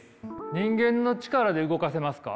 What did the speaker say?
人間の力で動かせますか？